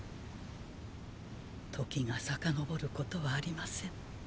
時が遡ることはありません。